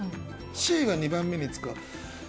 Ｃが２番目に使う。